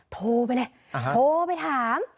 โทรไปเลยโทรไปถาม